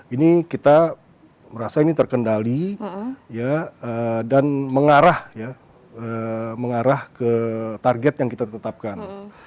ini kita merasa ini terkendali dan mengarah ke target yang kita tetapkan